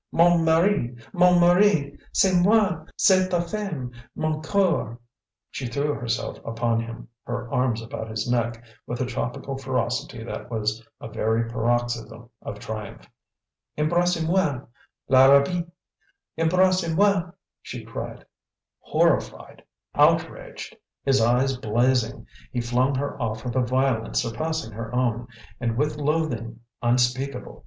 Mon mari, mon mari c'est moi! C'est ta femme, mon coeur!" She threw herself upon him, her arms about his neck, with a tropical ferocity that was a very paroxysm of triumph. "Embrasse moi, Larrabi! Embrasse moi!" she cried. Horrified, outraged, his eyes blazing, he flung her off with a violence surpassing her own, and with loathing unspeakable.